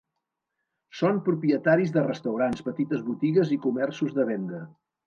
Són propietaris de restaurants, petites botigues i comerços de venda.